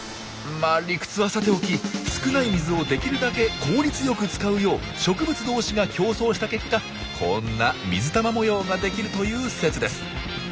まあ理屈はさておき少ない水をできるだけ効率よく使うよう植物同士が競争した結果こんな水玉模様ができるという説です。